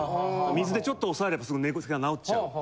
水でちょっと押さえればすぐ寝癖が直っちゃう。